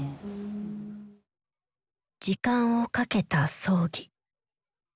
時間をかけた葬儀。